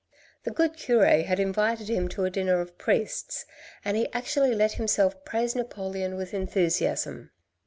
The good cure had invited him to a dinner of priests, and he actually let himself praise Napoleon with enthusiasm.